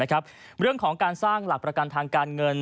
เรื่องของการสร้างหลักประกันทางการเงิน